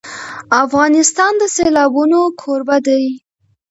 افغانستان د سیلابونه کوربه دی.